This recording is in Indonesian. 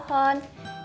di kampung saya ya